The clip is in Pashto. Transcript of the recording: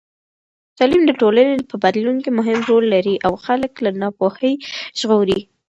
تعلیم د ټولنې په بدلون کې مهم رول لري او خلک له ناپوهۍ ژغوري.